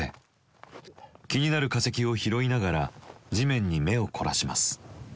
気になる化石を拾いながら地面に目を凝らします。